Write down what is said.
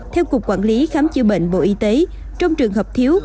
theo cục quản lý khám chữa bệnh bộ y tế trong trường hợp thiếu